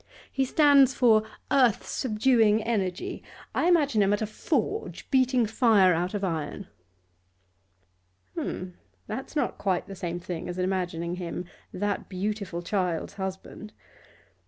'He stands for earth subduing energy. I imagine him at a forge, beating fire out of iron.' 'H'm! That's not quite the same thing as imagining him that beautiful child's husband.